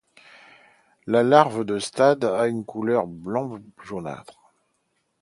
La larve de stade a une couleur blanc-jaunâtre.